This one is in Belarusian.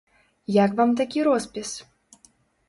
Як вам такі роспіс?